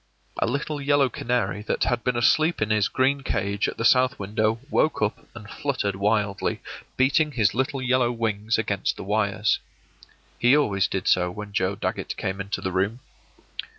A little yellow canary that had been asleep in his green cage at the south window woke up and fluttered wildly, beating his little yellow wings against the wires. He always did so when Joe Dagget came into the room.